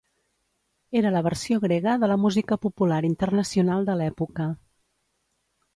Era la versió grega de la música popular internacional de l'època.